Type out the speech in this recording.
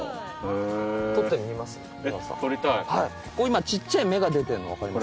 ここ今ちっちゃい芽が出てるの分かります？